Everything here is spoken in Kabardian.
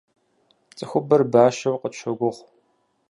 Цӏыхубэр бащэу къытщогугъ.